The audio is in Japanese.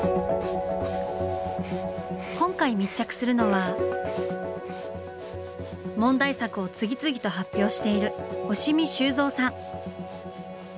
今回密着するのは問題作を次々と発表している押見修造さん！